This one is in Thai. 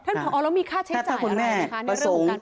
เอ้าแล้วมีจำหน่างมีค่าใช้จ่ายอะไรดูค่ะในเรื่องการการไปโรงเรียน